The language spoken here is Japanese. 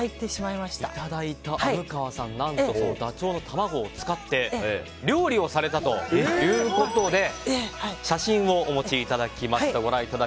いただいた虻川さん何と、ダチョウの卵を使って料理をされたということで写真をお持ちいただきました。